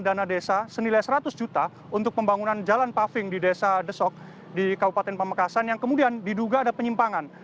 dan dana desa senilai seratus juta untuk pembangunan jalan paving di desa desok di kabupaten pamekasan yang kemudian diduga ada penyimpangan